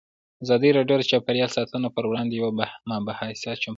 ازادي راډیو د چاپیریال ساتنه پر وړاندې یوه مباحثه چمتو کړې.